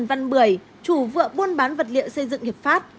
trần văn bưởi chủ vợ buôn bán vật liệu xây dựng hiệp pháp